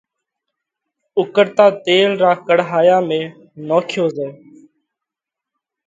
اُوڪۯتا تيل را ڪڙاهيا ۾ نوکيو زائه۔